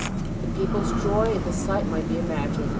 The people s joy at the sight may be imagined.